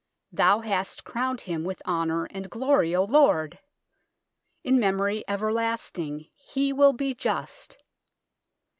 Thou hast crowned him with honour and glory, O Lord ! In memory everlasting he will be just.